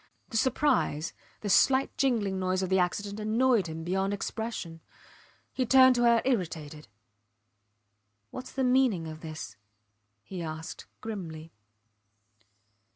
The surprise, the slight jingling noise of the accident annoyed him beyond expression. He turned to her irritated. Whats the meaning of this? he asked, grimly.